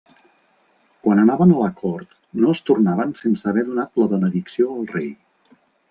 Quan anaven a la cort no es tornaven sense haver donat la benedicció al rei.